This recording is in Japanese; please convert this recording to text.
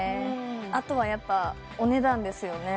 あとはやっぱお値段ですよね